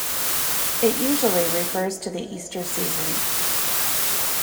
It usually refers to the Easter season.